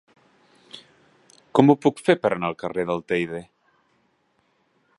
Com ho puc fer per anar al carrer del Teide?